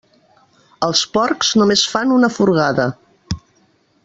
Els porcs només fan una furgada.